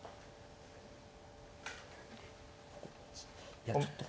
いやちょっと。